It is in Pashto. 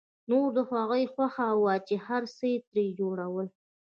نوره د هغوی خوښه وه چې هر څه یې ترې جوړول